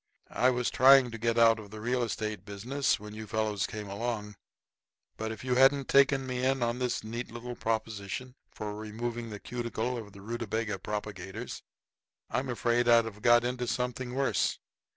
I was trying to get out of the real estate business when you fellows came along. But if you hadn't taken me in on this neat little proposition for removing the cuticle of the rutabaga propagators I'm afraid I'd have got into something worse.